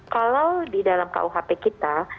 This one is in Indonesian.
kalau di dalam kuhp kita